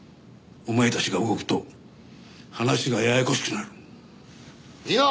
お前たちが動くと話がややこしくなる。いいな？